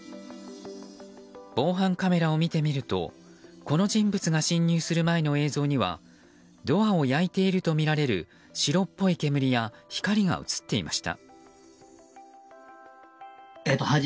防犯カメラを見てみるとこの人物が侵入する前の映像にはドアを焼いているとみられる白っぽい煙や光が映っていました。